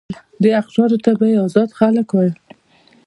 دې اقشارو ته به یې آزاد خلک ویل.